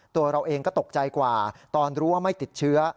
ตัวเราเองก็ตกใจกว่าตอนรู้ว่าไม่ติดเชื้อ